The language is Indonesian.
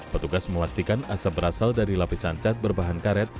petugas memastikan asap berasal dari lapisan cat berbahan karet